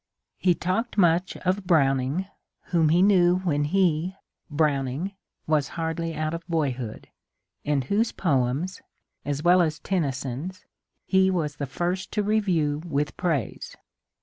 He talked much of Browning, whom he knew when he (Browning) was hardly out of boyhood, and whose poems — as well as Tennyson's — he was the first to review with praise.